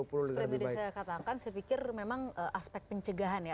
seperti tadi saya katakan saya pikir memang aspek pencegahan ya